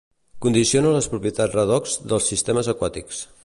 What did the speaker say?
Condiciona les propietats redox dels sistemes aquàtics.